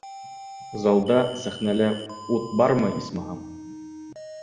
Залда, сәхнәлә ут бармы, исмаһам?